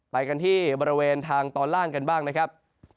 ไปกันที่บริเวณทางตอนล่างกันบ้างนะครับ